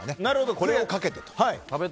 これをかけてと。